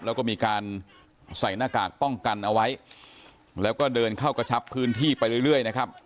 แล้วก็มีการใส่หน้ากากป้องกันเอาไว้แล้วก็เดินเข้ากระชับพื้นที่ไปเรื่อยนะครับ